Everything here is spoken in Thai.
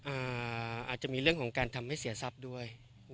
อาจจะมีเรื่องของการทำให้เสียทรัพย์ด้วย